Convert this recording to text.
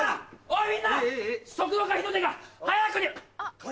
おい！